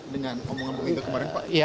dengan omongan bung inga kemarin pak